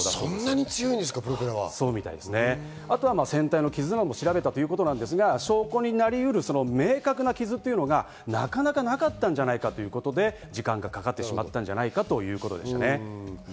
船体の傷も調べたということですが、明確な傷というのがなかなかなかったんじゃないかということで、時間がかかってしまったんじゃないかということでした。